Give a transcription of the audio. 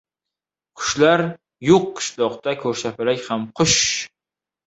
• Qushlar yo‘q qishloqda ko‘rshapalak ham qush.